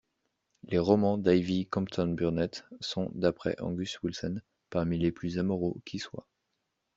Les romans d'Ivy Compton-Burnett sont, d'après Angus Wilson, parmi les plus amoraux qui soient.